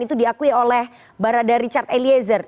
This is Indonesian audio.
itu diakui oleh barada richard eliezer